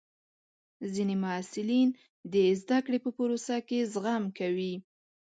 ځینې محصلین د زده کړې په پروسه کې زغم کوي.